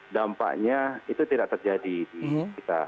dampaknya itu tidak terjadi di kita